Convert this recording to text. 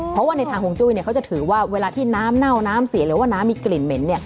เพราะว่าในทางห่วงจุ้ยเขาจะถือว่าเวลาที่น้ำเน่าน้ำเสียหรือว่าน้ำมีกลิ่นเหม็น